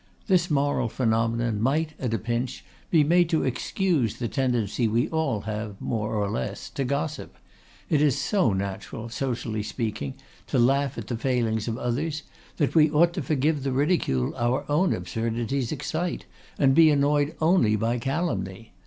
This moral phenomenon might, at a pinch, be made to excuse the tendency we all have, more or less, to gossip. It is so natural, socially speaking, to laugh at the failings of others that we ought to forgive the ridicule our own absurdities excite, and be annoyed only by calumny.